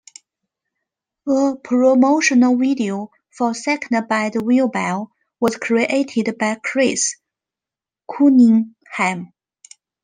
A promotional video for "Second Bad Vilbel" was created by Chris Cunningham.